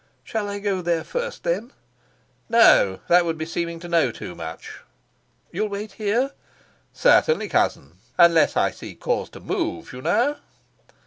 "Shall I go there first, then?" "No. That would be seeming to know too much." "You'll wait here?" "Certainly, cousin unless I see cause to move, you know."